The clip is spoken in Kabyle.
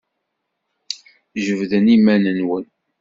Jebdem iman-nwen!